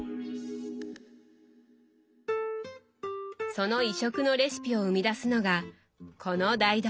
その異色のレシピを生み出すのがこの台所。